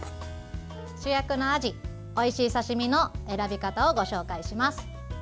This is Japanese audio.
主役のあじおいしい刺身の選び方をご紹介します。